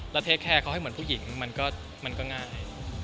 แล้วเทคแคร์เขาให้เหมือนผู้หญิงมันก็ง่าย